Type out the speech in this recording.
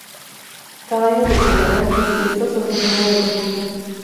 Cada año de celebran sus fiestas hacia finales de julio.